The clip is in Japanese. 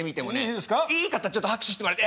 いい方ちょっと拍手してもらって。